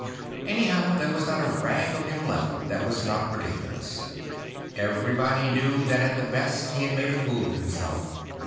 Anyhow, there was not a rag of him left that was not ridiculous. Everybody knew that at the best he had made a fool of himself.